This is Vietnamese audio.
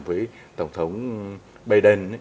với tổng thống biden